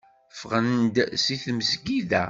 Ffɣen-d seg tmezgida.